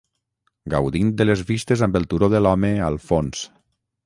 gaudint de les vistes amb el turó de l'Home al fons